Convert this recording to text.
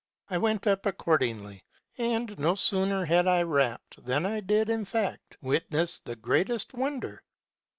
I went up accord ingly ; and no sooner had I rapped, than I did, in fact, wit ness the greatest wonder.